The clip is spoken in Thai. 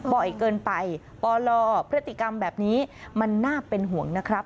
บ่อยเกินไปปลพฤติกรรมแบบนี้มันน่าเป็นห่วงนะครับ